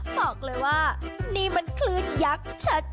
บอกเลยว่านี่มันคลื่นยักษ์ชัด